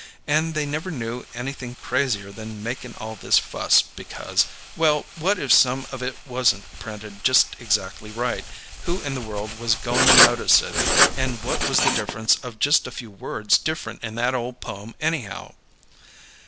And they never knew anything crazier than makin' all this fuss, because: Well, what if some of it wasn't printed just exactly right, who in the world was goin' to notice it, and what was the difference of just a few words different in that ole poem, anyhow?